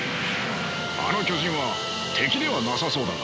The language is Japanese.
あの巨人は敵ではなさそうだが。